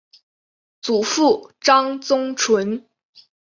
祖父张宗纯。